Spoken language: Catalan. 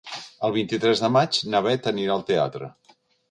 El vint-i-tres de maig na Bet anirà al teatre.